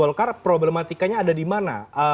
golkar problematikanya ada di mana